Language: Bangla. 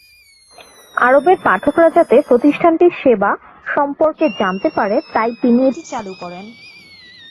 আরবের পাঠকরা যাতে প্রতিষ্ঠানটির সেবা সম্পর্কে জানতে পারে তাই তিনি এটি চালু করেন।